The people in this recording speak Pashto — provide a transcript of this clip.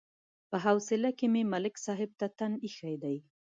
په حوصله کې مې ملک صاحب ته تن ایښی دی.